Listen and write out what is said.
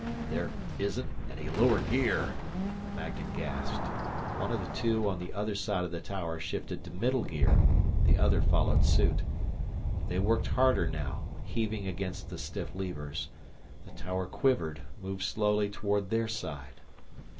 "There isn't any lower gear," Magnan gasped. One of the two on the other side of the tower shifted to middle gear; the other followed suit. They worked harder now, heaving against the stiff levers. The tower quivered, moved slowly toward their side.